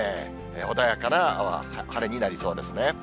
穏やかな晴れになりそうですね。